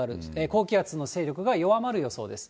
高気圧の勢力が弱まる予想です。